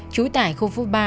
trú tại khu phố ba